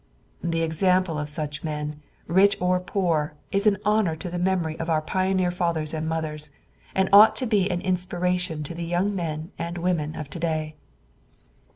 The example of such men, rich or poor, is an honor to the memory of our pioneer fathers and mothers, and ought to be an inspiration to the young men and women of to day.